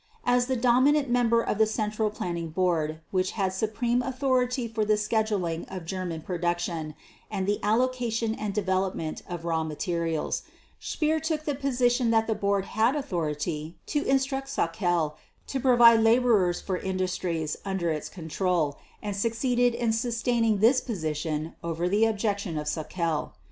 As the dominant member of the Central Planning Board, which had supreme authority for the scheduling of German production and the allocation and development of raw materials, Speer took the position that the Board had authority to instruct Sauckel to provide laborers for industries under its control and succeeded in sustaining this position over the objection of Sauckel.